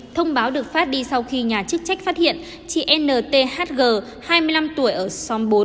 thông báo được phát đi sau khi nhà chức trách phát hiện chị nthg hai mươi năm tuổi ở xóm bốn